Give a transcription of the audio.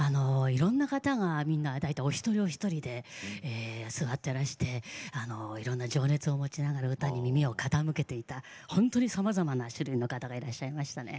いろんな方が大体お一人お一人で座っていらしていろんな情熱を持ちながら歌に耳を傾けていた本当にさまざまな種類の方がいらっしゃいましたね。